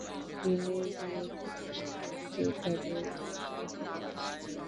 তিনি ভিয়েতনামের মুক্তিযোদ্ধাদের হাতে বন্দী হন।